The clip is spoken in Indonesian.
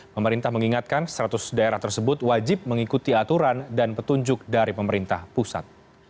pemerintah mengingatkan seratus daerah tersebut wajib mengikuti aturan dan petunjuk dari pemerintah pusat